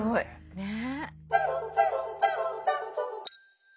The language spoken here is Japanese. ねえ。